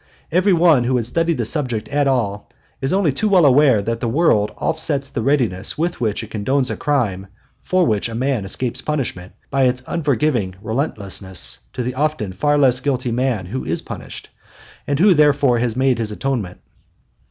Every one who has studied the subject at all is only too well aware that the world offsets the readiness with which it condones a crime for which a man escapes punishment, by its unforgiving relentlessness to the often far less guilty man who is punished, and who therefore has made his atonement.